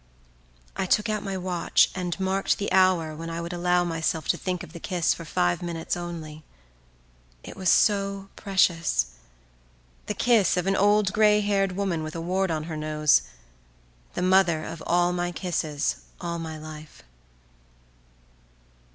I took out my watch and marked the hour when I would allow myself to think of the kiss for five minutes only—it was so precious—the kiss of an old grey haired woman with a wart on her nose, the mother of all my kisses all my life.